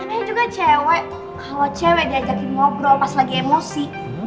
saya juga cewek tuh kalau cewek diajakin ngobrol pas lagi emosi